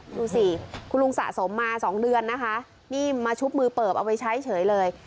ดูสิคุณลุงสะสมมา๒เดือนนะคะนี่มาชุบมือเปิบเอาไว้ใช้เฉยเลย